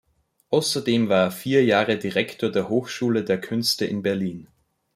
Außerdem war er vier Jahre Direktor der Hochschule der Künste in Berlin.